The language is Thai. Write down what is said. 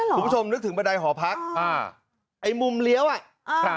คุณผู้ชมนึกถึงบันไดหอพัก